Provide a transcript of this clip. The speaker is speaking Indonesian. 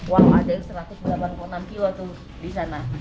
walau ada yang satu ratus delapan puluh enam kilo tuh di sana